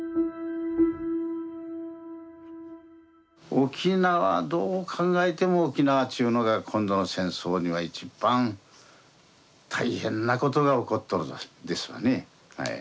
沖縄どう考えても沖縄っちゅうのが今度の戦争では一番大変なことが起こっとるですわね。